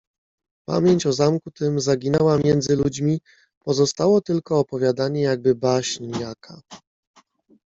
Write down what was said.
"Pamięć o zamku tym zaginęła między ludźmi, pozostało tylko opowiadanie, jakby baśń jaka."